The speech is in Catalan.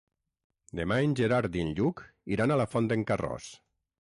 Demà en Gerard i en Lluc iran a la Font d'en Carròs.